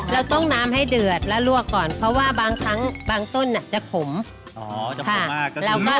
เราต้มน้ำให้เดือดแล้วลวกก่อนเพราะว่าบางครั้งบางต้นจะขม